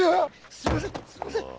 すいませんすいません